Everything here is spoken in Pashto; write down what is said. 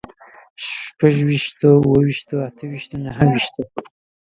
شپږ ويشتو، اووه ويشتو، اته ويشتو، نهه ويشتو